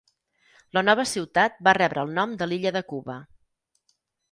La nova ciutat va rebre el nom de l'illa de Cuba.